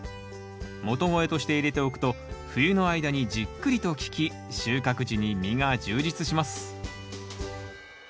元肥として入れておくと冬の間にじっくりと効き収穫時に実が充実します。